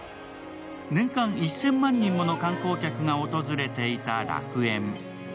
年間１０００万人もの観光客が訪れていた楽園。